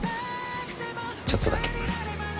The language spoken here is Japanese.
ちょっとだけ。